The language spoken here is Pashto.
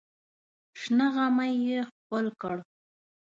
شنه غمی یې ښکل کړ.